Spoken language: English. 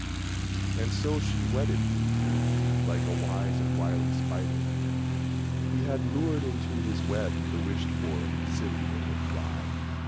And so she wedded Blue beard like a wise and wily spider He had lured into his web the wished for, silly little fly!